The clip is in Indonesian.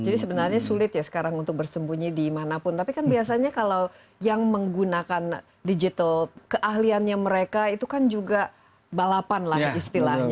jadi sebenarnya sulit ya sekarang untuk bersembunyi dimanapun tapi kan biasanya kalau yang menggunakan digital keahliannya mereka itu kan juga balapan lah istilahnya